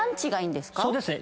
そうですね。